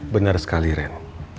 bener sekali ren